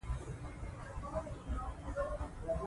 ازادي راډیو د د مخابراتو پرمختګ پر وړاندې یوه مباحثه چمتو کړې.